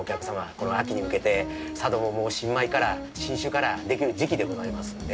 この秋に向けて佐渡ももう新米から新酒からできる時期でございますんで。